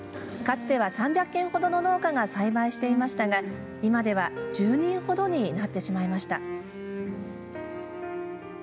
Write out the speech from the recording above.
かつては３００軒ほどの農家が栽培していましたが、今では１０人ほどになってしまいました。